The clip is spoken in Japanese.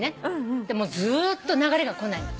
もうずーっと流れが来ないの。